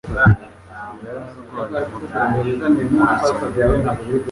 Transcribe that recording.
Yari arwaye umutwe mubi cyane